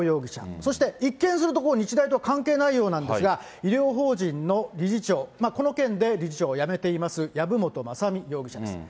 そして一見すると日大と関係ないようなんですが、医療法人の理事長、この件で理事長を辞めています、籔本雅巳容疑者です。